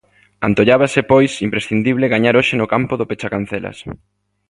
Antollábase pois imprescindible gañar hoxe no campo do pechacancelas.